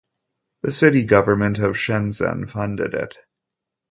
The city government of Shenzhen funded it.